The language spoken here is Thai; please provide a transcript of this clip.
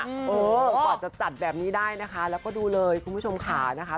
กว่าจะจัดแบบนี้ได้นะคะแล้วก็ดูเลยคุณผู้ชมขานะคะ